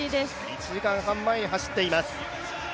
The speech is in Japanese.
１時間半前に走っています。